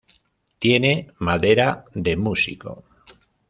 Tiene madera de músico.